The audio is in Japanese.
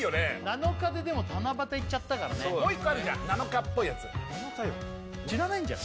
「なのか」ででも七夕いっちゃったからねもう一個あるじゃん「なのか」っぽいやつ知らないんじゃない？